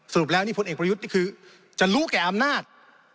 สรุปแล้วนี่พลเอกประยุทธ์นี่คือจะรู้แก่อำนาจ